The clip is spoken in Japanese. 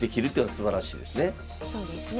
そうですね。